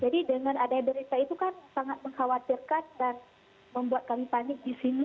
jadi dengan adanya berita itu kan sangat mengkhawatirkan dan membuat kami panik di sini